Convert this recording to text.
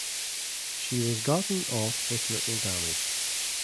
She was gotten off with little damage.